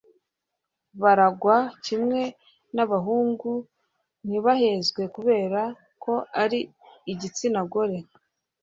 baragwa kimwe n'abahungu, ntibahezwa kubera ko ari igitsina gore